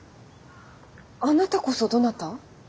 あなたこそどなた？